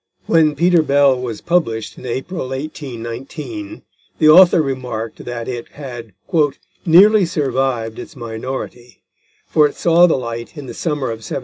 When Peter Bell was published in April 1819, the author remarked that it had "nearly survived its minority; for it saw the light in the summer of 1798."